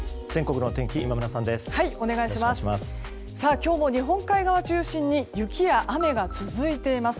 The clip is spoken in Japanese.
今日も日本海側を中心に雪や雨が続いています。